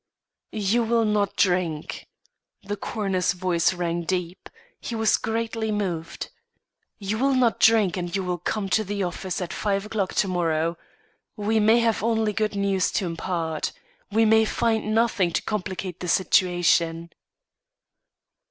"You will not drink." The coroner's voice rang deep; he was greatly moved. "You will not drink, and you will come to the office at five o'clock to morrow. We may have only good news to impart. We may find nothing to complicate the situation."